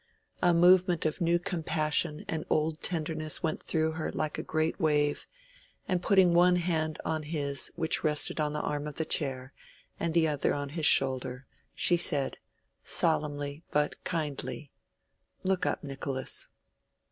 A movement of new compassion and old tenderness went through her like a great wave, and putting one hand on his which rested on the arm of the chair, and the other on his shoulder, she said, solemnly but kindly— "Look up, Nicholas."